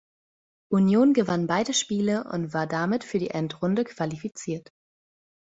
Union gewann beide Spiele und war damit für die Endrunde qualifiziert.